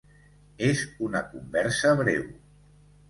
És una conversa breu.